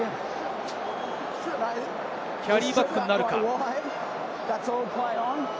キャリーバックになるのか？